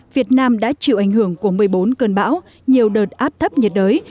việt nam đã chịu ảnh hưởng của một mươi bốn cơn bão nhiều đợt áp thấp nhiệt đới